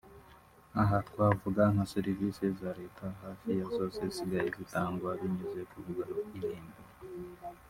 Aha twavuga nka serivisi za leta hafi ya zose zisigaye zitangwa binyuze ku rubuga Irembo